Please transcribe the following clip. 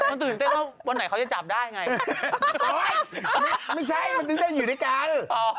มันตื่นเต้นว่าวันไหนเขาจะจับได้ไงไม่ใช่มันตื่นเต้นอยู่ด้วยกัน